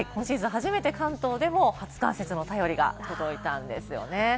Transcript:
初めて、初冠雪の便りが届いたんですよね。